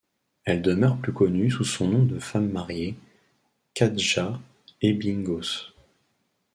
Elle demeure plus connue sous son nom de femme mariée, Katja Ebbinghaus.